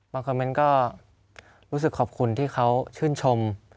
คอมเมนต์ก็รู้สึกขอบคุณที่เขาชื่นชม